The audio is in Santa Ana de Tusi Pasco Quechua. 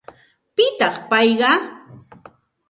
¿Pitaq payqa?